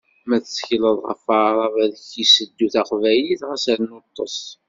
Ma tettekleḍ ɣef Waɛrab ad k-yesseddu taqbaylit, ɣas rnu ṭṭes!